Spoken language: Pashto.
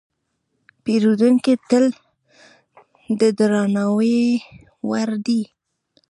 پیرودونکی تل د درناوي وړ دی.